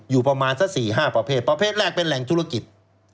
อยู่ประมาณสัก๔๕ประเภทประเภทแรกเป็นแหล่งธุรกิจ